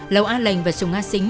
lẩu an lành và sùng a xính